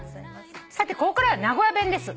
「さてここからは名古屋弁です」